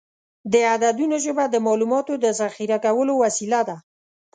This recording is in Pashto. د عددونو ژبه د معلوماتو د ذخیره کولو وسیله ده.